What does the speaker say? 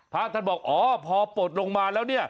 พระอาทันตร์บอกอ๋อพอปวดลงมาแล้ว